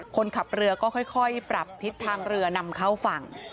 คนขับเรือก็ค่อยปรับทิศทางเรือนำเข้าฝั่ง